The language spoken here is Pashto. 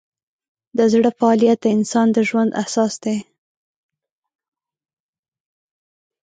د زړه فعالیت د انسان د ژوند اساس دی.